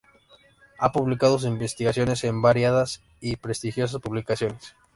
Ha publicado sus investigaciones en variadas y prestigiosas publicaciones.